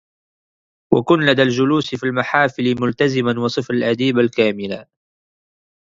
وكن لدى الجلوس في المحافلِ ملتزما وصف الأديب الكاملِ